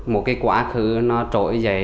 một cái quá khứ nó trỗi dậy